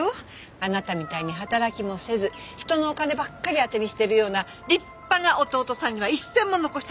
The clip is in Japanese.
あなたみたいに働きもせず人のお金ばっかり当てにしてるような立派な弟さんには一銭も残したくないんですって。